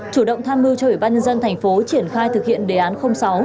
chủ động tham mưu cho ủy ban nhân dân tp triển khai thực hiện đề án sáu